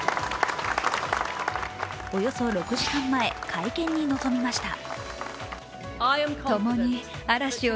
およそ６時間前、会見に臨みました。